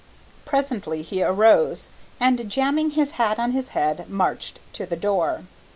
Presently he arose, and jamming his hat on his head, marched to the door.